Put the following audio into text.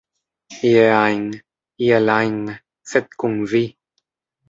Ie ajn, iel ajn, sed kun vi!